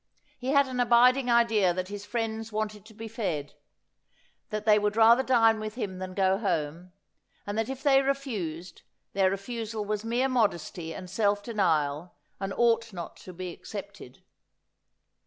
He had an abiding idea that his friends wanted to be fed ; that they would rather dine with him than go home ; and that if they refused, their refusal was mere modesty and self denial, and ought not to be accepted.